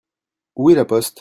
Où est la poste ?